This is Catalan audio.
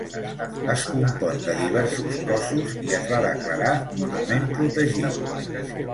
Es compon de diversos cossos i es va declarar monument protegit.